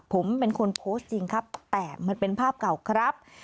ผมเป็นคนโพสต์จริงครับแต่มันเป็นภาพเก่าครับ